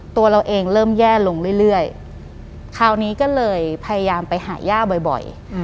ตัวเราเองเริ่มแย่ลงเรื่อยคราวนี้ก็เลยพยายามไปหาย่าบ่อย